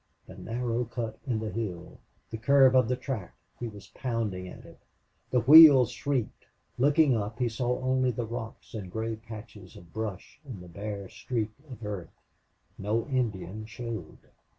the narrow cut in the hill! the curve of the track! He was pounding at it. The wheels shrieked. Looking up, he saw only the rocks and gray patches of brush and the bare streak of earth. No Indian showed.